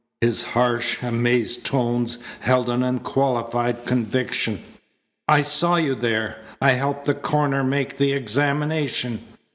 His harsh, amazed tones held an unqualified conviction. "I saw you there. I helped the coroner make the examination.